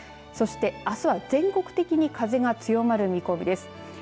そして、あすは全国的に風が強まる見込みです。